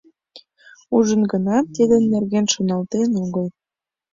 Ужын гынат, тидын нерген шоналтен огыл.